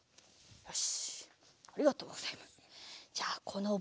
よし！